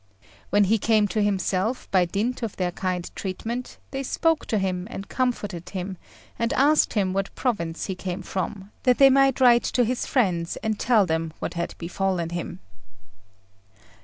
When he came to himself by dint of their kind treatment, they spoke to him and comforted him, and asked him what province he came from, that they might write to his friends and tell them what had befallen him.